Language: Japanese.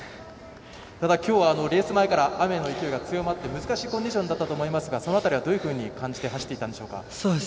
ただ、きょうはレース前から雨の勢いが強まって難しいコンディションだったと思いますがその辺りはどういうふうに感じて走っていたんでしょうか。